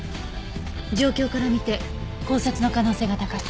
状況から見て絞殺の可能性が高い。